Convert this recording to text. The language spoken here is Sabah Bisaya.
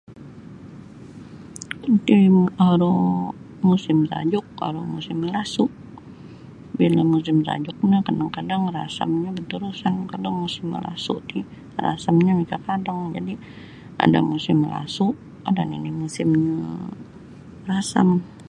Iti aru musim sajuk aru musim malasu' bila musim sajuk no kadang-kadang rasamnyo berterusan kalau musim malasu' ti rasam ti mikakadang jadi' ada musim malasu' ada' nini' musim rasam.